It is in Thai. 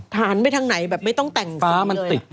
ทานไปทางไหนแบบไม่ต้องแต่งซีลเลย